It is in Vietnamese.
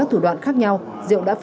không sẵn phẫu luật